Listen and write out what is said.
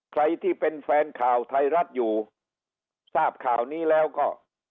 ใครที่เป็นแฟนข่าวไทยรัฐอยู่ทราบข่าวนี้แล้วก็